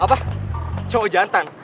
apa cowok jantan